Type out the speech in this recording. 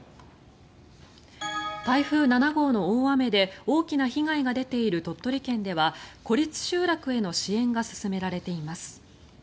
台風７号の大雨で大きな被害が出ている鳥取県では孤立集落への支援が進められています。